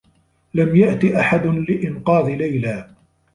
لم يأتِ أحد لإنقاذ ليلى.